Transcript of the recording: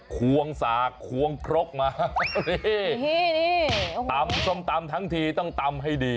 ควงสากควงครกมานี่ตำส้มตำทั้งทีต้องตำให้ดี